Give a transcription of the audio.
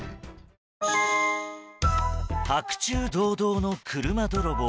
白昼堂々の車泥棒。